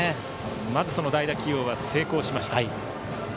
まずその代打起用は成功しました。